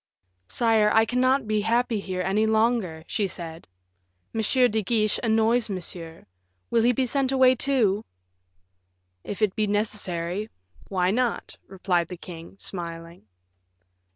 "Sire, I cannot be happy here any longer," she said. "M. de Guiche annoys Monsieur. Will he be sent away, too?" "If it be necessary, why not?" replied the king, smiling.